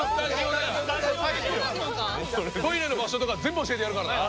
トイレの場所とか全部教えてやるからな！